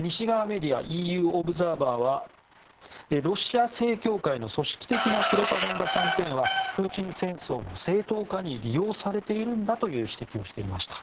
西側メディアＥＵオブザーバーはロシア正教会の組織的なプロパガンダキャンペーンはプーチン戦争の正当化に利用されているんだという指摘をしていました。